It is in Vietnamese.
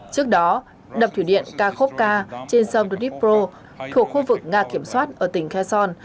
trước đó đập thủy điện kakhovka trên sông donetsk pro thuộc khu vực nga kiểm soát ở tỉnh kherson